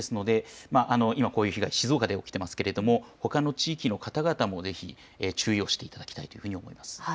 今こういう被害、静岡で起きていますがほかの地域の方々もぜひ注意をしていただきたいと思います。